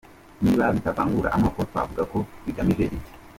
Niba bitavangura amoko, twavuga ko bigamije iki?